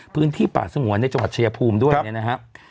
พื้นที่ป่าสงวนในจังหวัดชายภูมิด้วยเนี่ยนะครับ